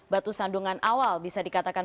batu sandungan awal bisa dikatakan